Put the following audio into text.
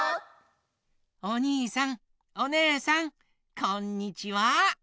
おにいさんおねえさんこんにちは！